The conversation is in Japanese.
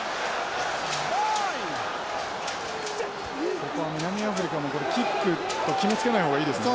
ここは南アフリカもキックと決めつけないほうがいいですね。